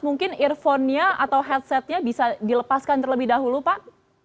mungkin earphonenya atau headsetnya bisa dilepaskan terlebih dahulu pak